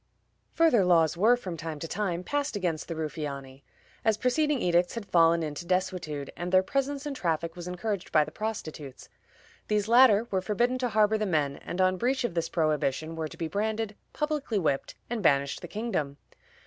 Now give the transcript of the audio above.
Further laws were, from time to time, passed against the Ruffiani, as preceding edicts had fallen into desuetude, and their presence and traffic was encouraged by the prostitutes. These latter were forbidden to harbor the men, and on breach of this prohibition were to be branded, publicly whipped, and banished the kingdom.